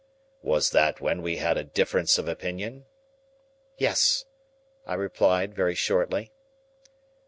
"Was that when we had a difference of opinion?" "Yes," I replied, very shortly.